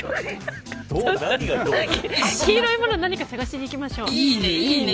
黄色いものを何か探しに行きましょう。